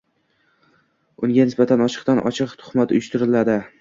unga nisbatan ochiqdan ochiq tuhmat uyushtiriladi